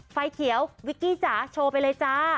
ไฟเขียววิกกี้จ๋าโชว์ไปเลยจ้า